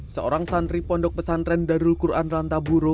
seorang santri pondok pesantren darul quran rantaburo